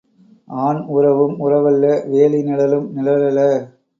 ஆண் உறவும் உறவல்ல வேலி நிழலும் நிழலல்ல.